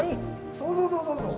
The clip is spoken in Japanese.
そうそうそうそうそう。